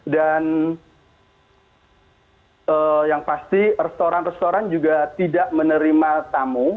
dan yang pasti restoran restoran juga tidak menerima tamu